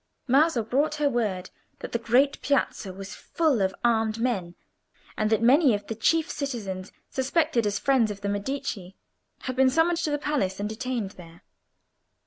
Maso brought her word that the great Piazza was full of armed men, and that many of the chief citizens suspected as friends of the Medici had been summoned to the palace and detained there.